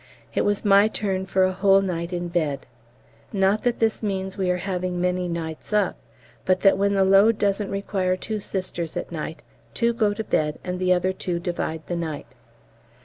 It was my turn for a whole night in bed. Not that this means we are having many nights up, but that when the load doesn't require two Sisters at night, two go to bed and the other two divide the night.